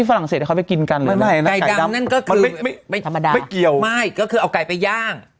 มันก็คือไม่เกี่ยวไม่ก็คือเอาไก่ไปย่าง